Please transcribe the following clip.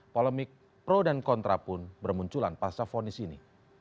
polemik pro dan kontra pun bermunculan pasca fonis ini